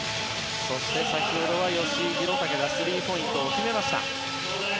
そして、先ほどは吉井裕鷹がスリーポイントを決めました。